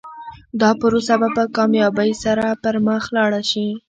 دا پروسه به په کامیابۍ سره پر مخ لاړه شي.